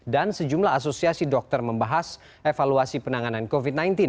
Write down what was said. sejumlah asosiasi dokter membahas evaluasi penanganan covid sembilan belas